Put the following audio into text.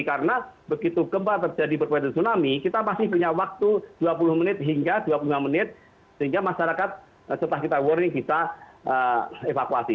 karena begitu gempa terjadi tsunami kita masih punya waktu dua puluh dua puluh lima menit sehingga masyarakat setelah kita warning bisa evakuasi